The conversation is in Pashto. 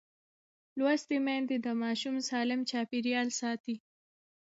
لوستې میندې د ماشوم سالم چاپېریال ساتي.